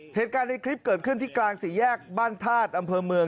เหตุการณ์ในคลิปเกิดขึ้นที่กลางสี่แยกบ้านธาตุอำเภอเมือง